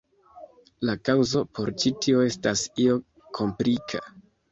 La kaŭzo por ĉi tio estas io komplika.